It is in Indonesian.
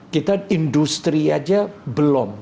kita industri aja belum